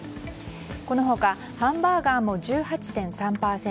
この他ハンバーガーも１８．３％